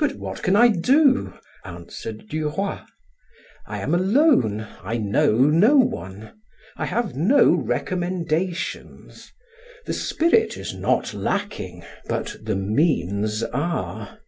"But what can I do?" answered Duroy. "I am alone, I know no one, I have no recommendations. The spirit is not lacking, but the means are."